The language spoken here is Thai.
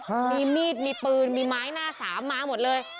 มีมีดมีปืนมีไม้หน้าสามมาหมดเลย